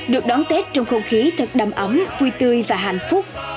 được đón tết trong không khí thật đầm ấm vui tươi và hạnh phúc